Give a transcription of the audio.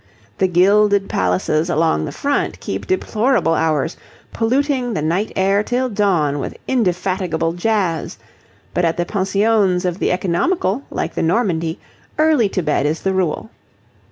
The gilded palaces along the front keep deplorable hours, polluting the night air till dawn with indefatigable jazz: but at the pensions of the economical like the Normandie, early to bed is the rule.